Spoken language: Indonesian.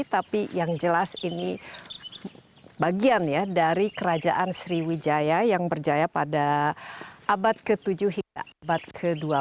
tapi yang jelas ini bagian ya dari kerajaan sriwijaya yang berjaya pada abad ke tujuh hingga abad ke dua belas